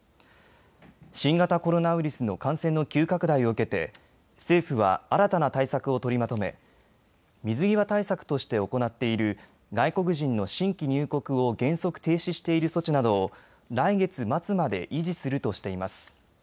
新型コロナウイルスの感染の急拡大を受けて政府は新たな対策を取りまとめ水際対策として行っている外国人の新規入国を原則停止している措置などを来月末まで維持するとしています。